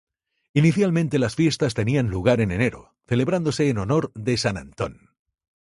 Inicialmente las fiestas tenían lugar en enero, celebrándose en honor de San Antón.